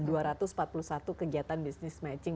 dua ratus empat puluh satu kegiatan business matching